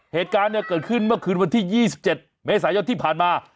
เหตุการณ์เนี่ยเกิดขึ้นเมื่อคืนวันที่๒๗เมษายนที่ผ่านมา